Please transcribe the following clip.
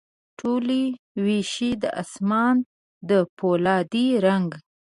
ټولي ویشي د اسمان د پولا دي رنګ،